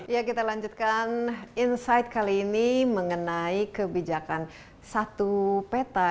ya kita lanjutkan insight kali ini mengenai kebijakan satu peta